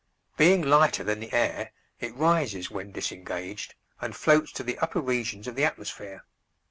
Being lighter than the air, it rises when disengaged and floats to the upper regions of the atmosphere.